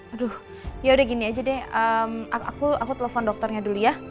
aduh yaudah gini aja deh aku telepon dokternya dulu ya